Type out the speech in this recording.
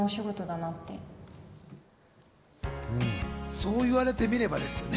そう言われてみればですよね。